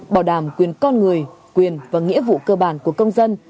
bảo đảm quyền con người quyền và nghĩa vụ cơ bản của công dân